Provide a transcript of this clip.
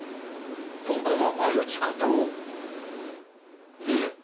僕の歩き方をねえ